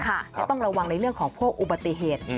จะต้องระวังในเรื่องของพวกอุบัติเหตุ